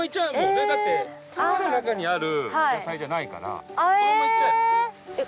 だって土の中にある野菜じゃないからそのままいっちゃえ。